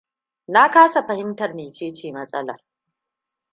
Na kasa fahimtar mecece matsalar.